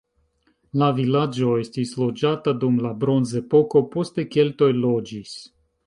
La vilaĝo estis loĝata dum la bronzepoko, poste keltoj loĝis.